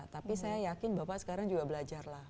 tapi saya yakin bapak sekarang juga belajar lah